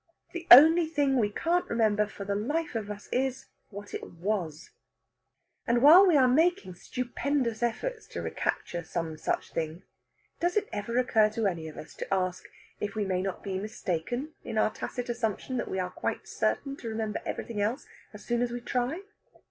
The only thing we can't remember for the life of us is what it was! And while we are making stupendous efforts to recapture some such thing, does it ever occur to any of us to ask if we may not be mistaken in our tacit assumption that we are quite certain to remember everything else as soon as we try?